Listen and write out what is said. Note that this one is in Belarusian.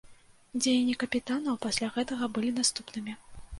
Дзеянні капітанаў пасля гэтага былі наступнымі.